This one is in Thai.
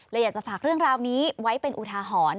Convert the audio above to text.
อยากจะฝากเรื่องราวนี้ไว้เป็นอุทาหรณ์